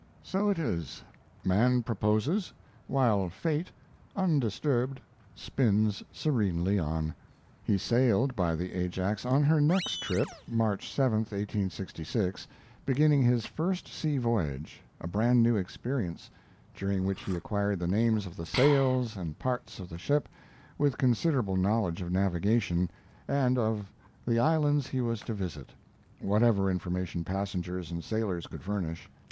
So it is: man proposes, while fate, undisturbed, spins serenely on. He sailed by the Ajax on her next trip, March 7 (1866), beginning his first sea voyage a brand new experience, during which he acquired the names of the sails and parts of the ship, with considerable knowledge of navigation, and of the islands he was to visit whatever information passengers and sailors could furnish.